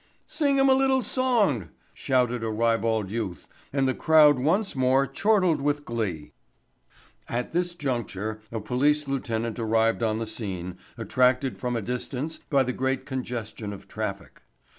"Sing 'em a little song," shouted at ribald youth and the crowd once more chortled with glee. At this juncture a police lieutenant arrived on the scene, attracted from a distance by the great congestion of traffic.